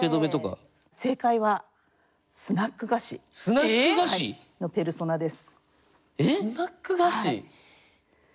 実はこれスナック菓子！？のペルソナです。